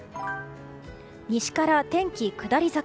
西から天気、下り坂。